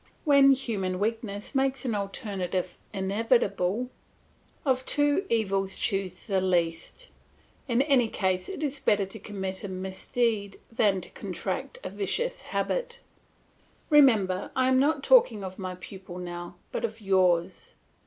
When human weakness makes an alternative inevitable, of two evils choose the least; in any case it is better to commit a misdeed than to contract a vicious habit. Remember, I am not talking of my pupil now, but of yours.